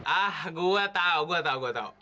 ah gua tau gua tau gua tau